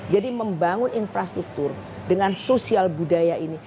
jadi membangun infrastruktur dengan sosial budaya ini